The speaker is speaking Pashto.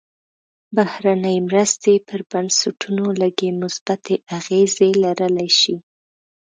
بهرنۍ مرستې پر بنسټونو لږې مثبتې اغېزې لرلی شي.